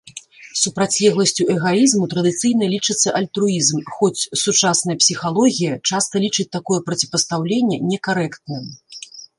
Супрацьлегласцю эгаізму традыцыйна лічыцца альтруізм, хоць сучасная псіхалогія часта лічыць такое проціпастаўленне некарэктным.